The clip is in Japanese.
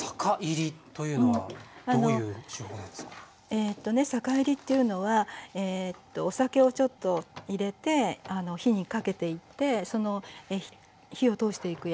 えとね酒いりっていうのはお酒をちょっと入れて火にかけていってその火を通していくやり方なんですね。